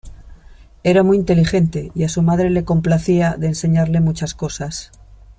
Era muy inteligente y a su madre le complacía de enseñarle muchas cosas.